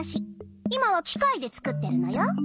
今はきかいで作ってるのよ。